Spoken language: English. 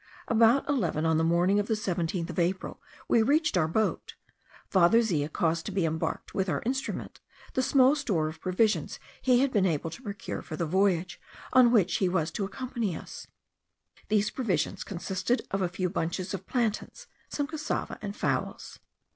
About eleven on the morning of the 17th of April we reached our boat. Father Zea caused to be embarked, with our instruments, the small store of provisions he had been able to procure for the voyage, on which he was to accompany us; these provisions consisted of a few bunches of plantains, some cassava, and fowls.